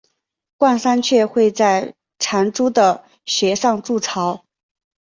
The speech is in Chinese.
冠山雀会在残株的穴上筑巢。